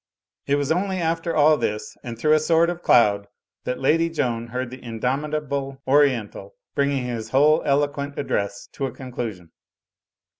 It was only after all this, and through a sort of cloud, that Lady Joan heard the indomitable Oriental bringing his whole eloquent address to a conclusion.